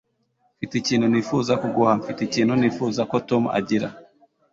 mfite ikintu nifuza kuguha. mfite ikintu nifuza ko tom agira